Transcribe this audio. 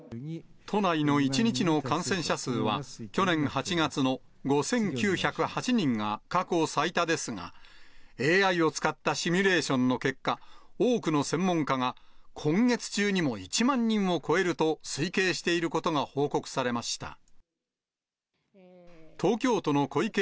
都内の１日の感染者数は、去年８月の５９０８人が過去最多ですが、ＡＩを使ったシミュレーションの結果、多くの専門家が、今月中にも１万人を超えると推計していることが報告されました。